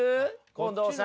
近藤さん。